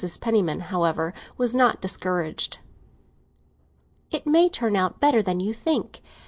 Penniman, however, was not discouraged. "It may turn out better than you think.